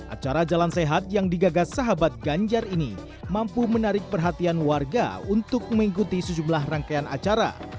acara jalan sehat yang digagas sahabat ganjar ini mampu menarik perhatian warga untuk mengikuti sejumlah rangkaian acara